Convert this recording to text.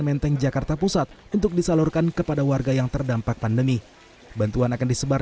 menteng jakarta pusat untuk disalurkan kepada warga yang terdampak pandemi bantuan akan disebar